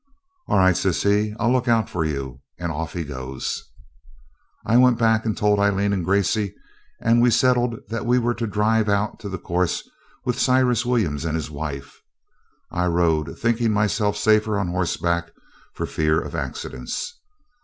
'All right,' says he, 'I'll look out for you,' and off he goes. I went back and told Aileen and Gracey, and we settled that they were to drive out to the course with Cyrus Williams and his wife. I rode, thinking myself safer on horseback, for fear of accidents.